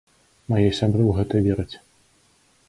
Мае сябры ў гэта вераць.